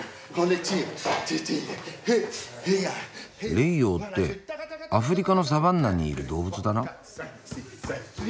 レイヨウってアフリカのサバンナにいる動物だな。